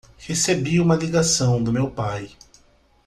Recebi uma ligação do meu pai